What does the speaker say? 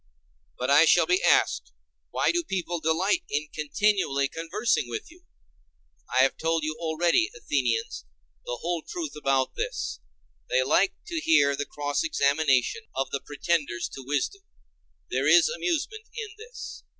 But I shall be asked, Why do people delight in continually conversing with you? I have told you already, Athenians, the whole truth about this: they like to hear the cross examination of the pretenders to wisdom; there is amusement in this.